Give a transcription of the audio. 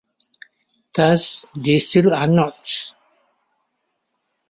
Thus they still are not.